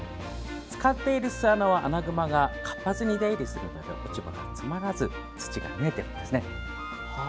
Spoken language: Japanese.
使っている巣穴はアナグマが活発に出入りするので落ち葉が詰まらず土が見えているんですね。